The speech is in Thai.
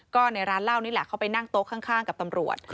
ก็ในร้านเหล้านี่แหละเขาไปนั่งโต๊ะข้างกับตำรวจ